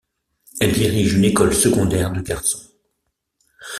Elle dirige une école secondaire de garçons.